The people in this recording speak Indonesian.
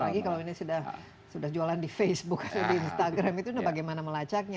apalagi kalau ini sudah jualan di facebook atau di instagram itu bagaimana melacaknya